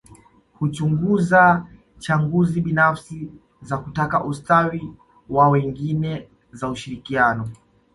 Huchunguza chaguzi binafsi za kutaka ustawi wa wengine na za ushirikiano